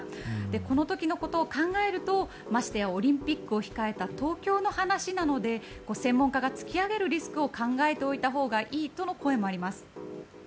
この時のことを考えるとましてやオリンピックを控えた東京の話なので専門家が突き上げるリスクを考えておいたほうがいいとの声もあります。